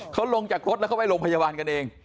เขาลงจากรถแล้วเขาไปโรงพยาบาลกันเอง